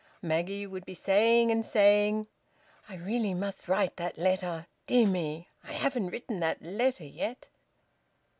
Maggie would be saying and saying: "I really must write that letter... Dear me! I haven't written that letter yet."